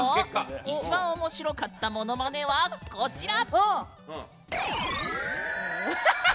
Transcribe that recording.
一番おもしろかったものまねはこちら！